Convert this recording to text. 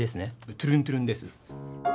トゥルントゥルンです。